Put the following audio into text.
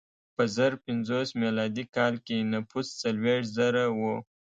په زر پنځوس میلادي کال کې نفوس څلوېښت زره و.